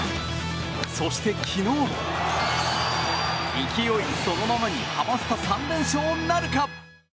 そして昨日勢いそのままにハマスタ３連勝なるか。